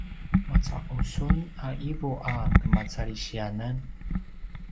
maca’u sun a ’ivu a kemacalisiyanan?